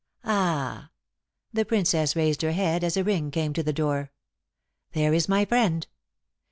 Ah!" the Princess raised her head as a ring came to the door "there is my friend.